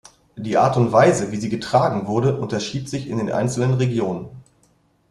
Die Art und Weise, wie sie getragen wurde, unterschied sich in den einzelnen Regionen.